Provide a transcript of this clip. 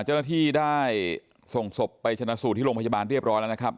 เจ้าหน้าที่ได้ส่งศพไปชนะสูตรที่โรงพยาบาลเรียบร้อยแล้วนะครับ